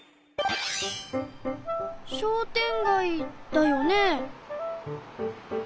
商店街だよね？